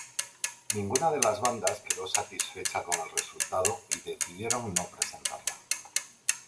Ninguna de las bandas quedó satisfecha con el resultado y decidieron no presentarla.